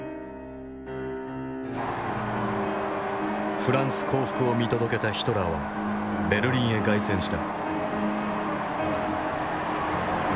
フランス降伏を見届けたヒトラーはベルリンへ凱旋した。